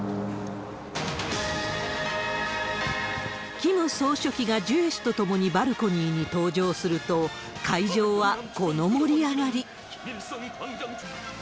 キム総書記がジュエ氏と共にバルコニーに登場すると、会場はこの盛り上がり。